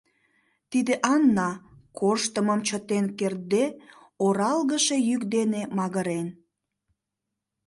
Тиде Анна, корштымым чытен кертде, оралгыше йӱк дене магырен.